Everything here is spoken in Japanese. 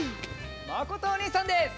まことおにいさんです。